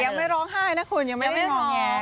ยังไม่ร้องไห้นะคุณยังไม่ได้งอแง้